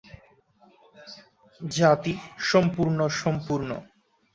জাতি: সম্পূর্ণ-সম্পূর্ণ।